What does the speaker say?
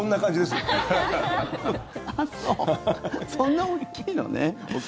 そんな大きいのね。